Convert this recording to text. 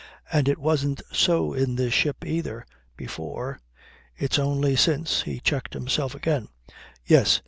And it wasn't so in this ship either, before. It's only since " He checked himself again. "Yes.